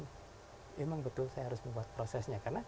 memang betul saya harus membuat prosesnya